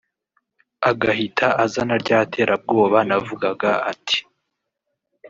agahita azana rya terabwoba navugaga ati